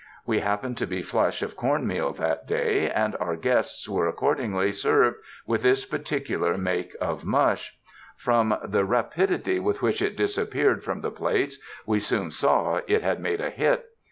We happened to be flush of corn meal that day, and our guests were accordingly served with this particular make of mush. From the ra 289 UNDER THE SKY IN CALIFORNIA pidity with which it disappeared from the plates, we soon saw it had made a hit.